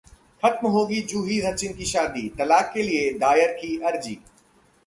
खत्म होगी जूही-सचिन की शादी, तलाक के लिए दायर की अर्जी